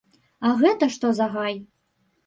А гэта што за гай?